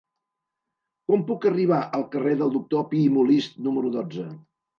Com puc arribar al carrer del Doctor Pi i Molist número dotze?